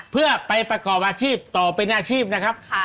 เพื่อไปประกอบอาชีพต่อเป็นอาชีพนะครับ